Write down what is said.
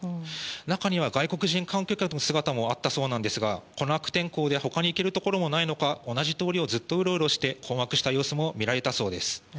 中には外国人観光客の姿もあったそうなんですがこの悪天候で他に行けるところもなかったのか同じ通りをずっとうろうろして困惑した様子も見られたそうです。